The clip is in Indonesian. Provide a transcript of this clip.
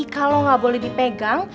kalau gak boleh dipegang